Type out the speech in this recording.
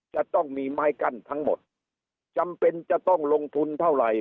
จะต้องมีไม้กั้นทั้งหมดจำเป็นจะต้องลงทุนเท่าไหร่